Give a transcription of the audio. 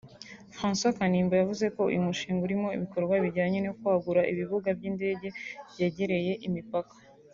François Kanimba yavuze ko uyu mushinga urimo ibikorwa bijyanye no kwagura ibibuga by’indege byegereye imipaka